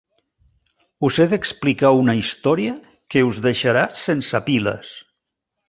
Us he d'explicar una història que us deixarà sense piles.